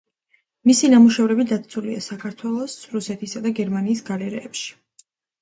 მისი ნამუშევრები დაცულია საქართველოს, რუსეთისა და გერმანიის გალერეებში.